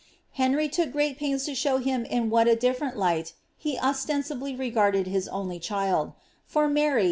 Heniy took great pains to show him in what a diflerent light he ostensibly resiarded his only child ; for Mary.